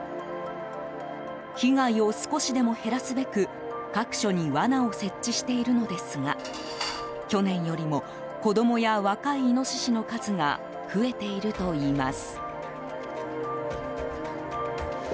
被害を少しでも減らすべく各所に罠を設置しているのですが去年よりも子供や若いイノシシの数が増えているといいます。